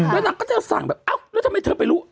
แล้วนางก็จะสั่งแบบเอ้าแล้วทำไมเธอไปรู้